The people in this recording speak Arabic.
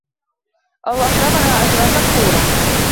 أَوْ أَحْرَمَهَا أَجْرًا مَذْخُورًا